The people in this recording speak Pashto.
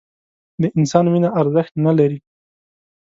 د انسان وینه ارزښت نه لري